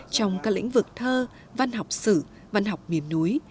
trong các lĩnh vực thơ văn học sử văn học miền núi